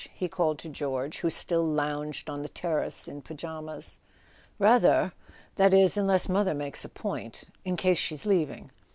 he called to George, who still lounged on the terrace in pyjamas. "Rather.—That is, unless mother makes a point. .. in case she's leaving."